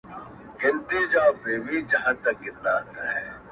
هارون جان ته د نوي کال او پسرلي ډالۍ:-